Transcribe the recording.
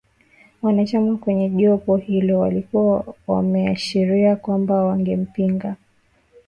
Wanachama kwenye jopo hilo walikuwa wameashiria kwamba wangempinga